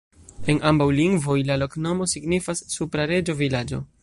En ambaŭ lingvoj la loknomo signifas: supra-reĝo-vilaĝo.